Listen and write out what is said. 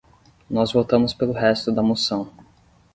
Nós votamos pelo resto da moção.